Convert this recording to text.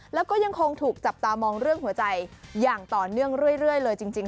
แล้วก็ยังคงถูกจับตามองเรื่องหัวใจอย่างต่อเนื่องเรื่อยเลยจริง